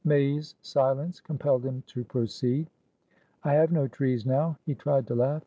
May's silence compelled him to proceed. "I have no trees now." He tried to laugh.